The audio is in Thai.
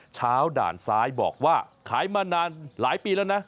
ด่านซ้ายบอกว่าขายมานานหลายปีแล้วนะ